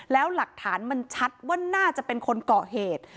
แล้วหลักฐานมันชัดว่าน่าจะเป็นคนเกาะเหตุ